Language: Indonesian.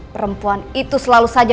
perempuan itu selalu saja